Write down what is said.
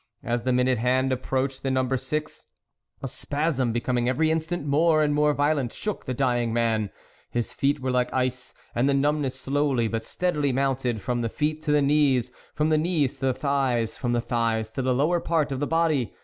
As the minute hand approached the number 6, a spasm becoming every instant more and more violent shook the dying man ; his feet were like ice, and the numbness slowly, but steadily, mounted from the feet to the knees, from the knees to the thighs, from the thighs to the lower part of the body.